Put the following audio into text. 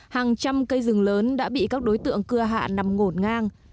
hàng trăm cây rừng lớn đã bị các đối tượng cưa hạ nằm ngổn ngang